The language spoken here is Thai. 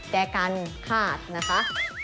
แก่กันขาดนะคะ